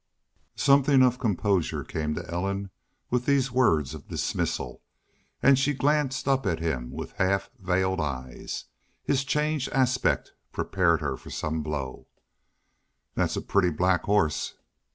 Something of composure came to Ellen with these words of dismissal, and she glanced up at him with half veiled eyes. His changed aspect prepared her for some blow. "That's a pretty black horse."